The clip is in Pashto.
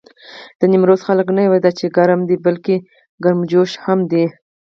د نيمروز خلک نه یواځې دا چې ګرم دي، بلکې ګرمجوش هم دي.